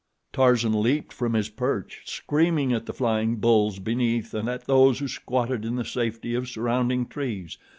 Tarzan leaped from his perch, screaming at the flying bulls beneath and at those who squatted in the safety of surrounding trees.